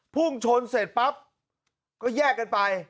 พุ่งชนเสร็จปั๊บก็แยกกันไป